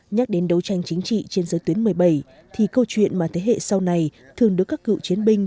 nhắc đến đấu tranh chính trị trên giới tuyến một mươi bảy thì câu chuyện mà thế hệ sau này thường được các cựu chiến binh